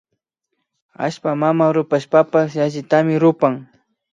Allpa mama rupashpapash yallitami rupan